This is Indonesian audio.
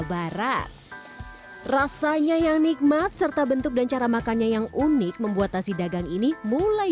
barat rasanya yang nikmat serta bentuk dan cara makannya yang unik membuat nasi dagang ini mulai